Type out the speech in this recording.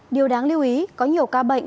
điều đáng lưu ý có nhiều ca bệnh